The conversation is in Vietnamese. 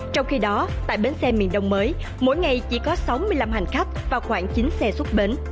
trong khi đó tại bến xe miền đông mới mỗi ngày chỉ có sáu mươi năm hành khách và khoảng chín xe xuất bến